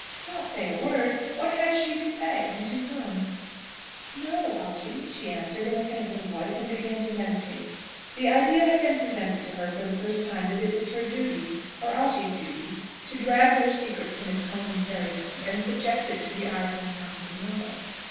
Not say a word! What had she to say? And to whom? "No, Algy," she answered, in a faint little voice, and began to meditate. The idea had been presented to her for the first time that it was her duty, or Algy's duty, to drag their secret from its home in Fairyland, and subject it to the eyes and tongues of mortals.